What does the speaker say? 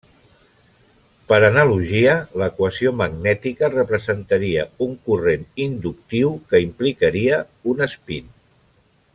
Per analogia, l'equació magnètica representaria un corrent inductiu que implicaria un espín.